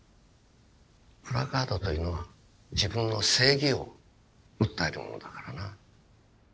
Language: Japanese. プラカードというのは自分の正義を訴えるものだからな。